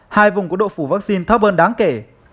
hai vùng có độ phủ vaccine thấp hơn đáng kể